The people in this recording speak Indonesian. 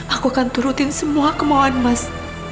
aku akan turutin semua kemauan emas